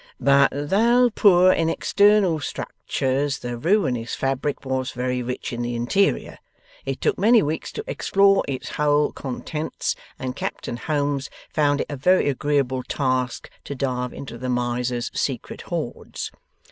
'"But though poor in external structure, the ruinous fabric was very rich in the interior. It took many weeks to explore its whole contents; and Captain Holmes found it a very agreeable task to dive into the miser's secret hoards."